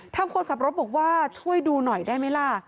คนขับรถบอกว่าช่วยดูหน่อยได้ไหมล่ะ